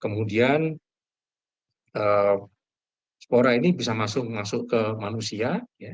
kemudian spora ini bisa masuk ke manusia